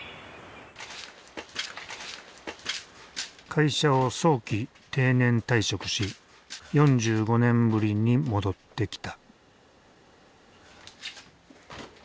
会社を早期定年退職し４５年ぶりに戻ってきた。